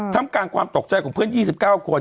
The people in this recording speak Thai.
ทำกลางความตกใจของเพื่อน๒๙คน